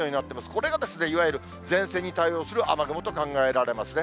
これがいわゆる前線に対応する雨雲と考えられますね。